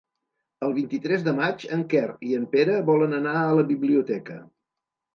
El vint-i-tres de maig en Quer i en Pere volen anar a la biblioteca.